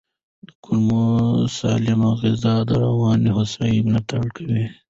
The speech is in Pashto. د کولمو سالمه غذا د رواني هوساینې ملاتړ کوي.